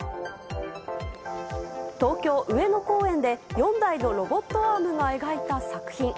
東京・上野公園で４台のロボットアームが描いた作品。